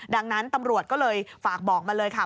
ดังนั้นตำรวจก็เลยฝากบอกมาเลยค่ะ